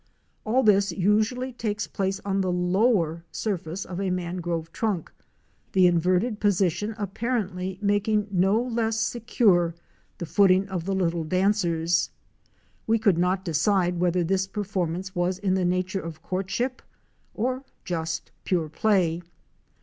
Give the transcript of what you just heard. All this usually takes place on the Jower surface of a mangrove trunk, the inverted position apparently making no less secure the footing of the little dancers. We could not decide whether this perform ance was in the nature of courtship or just pure play.